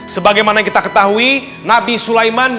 sebagaimana kita ketahui nabi sulaiman